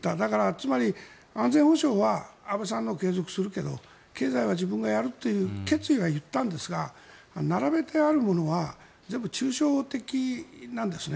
つまり安全保障は安倍さんのを継続するけど経済は自分がやるという決意は言ったんですが並べてあるものは全部、抽象的なんですね。